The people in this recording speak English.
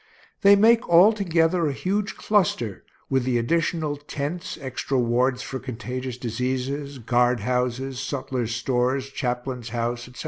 They make all together a huge cluster, with the additional tents, extra wards for contagious diseases, guard houses, sutler's stores, chaplain's house, etc.